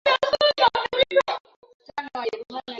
vyakula vyenye nyuzinyuzi ni bora kwa mgonjwa wa kisukari